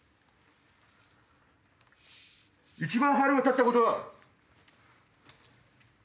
「一番腹が立ったこと」。